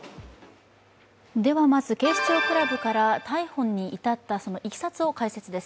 ではまず警視庁クラブから逮捕にいたったいきさつを解説です。